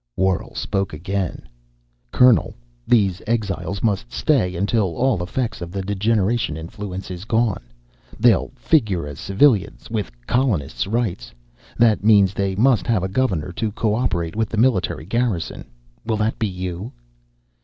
Worrall spoke again: "Colonel, these exiles must stay until all effects of the degeneration influence is gone. They'll figure as civilians, with colonists' rights. That means they must have a governor, to cooperate with the military garrison. Will that be you?"